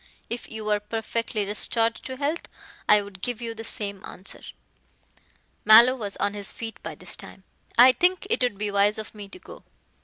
If you were perfectly restored to health I would give you the same answer." Mallow was on his feet by this time. "I think it would be wise of me to go."